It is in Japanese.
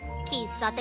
さて